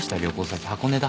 箱根だ。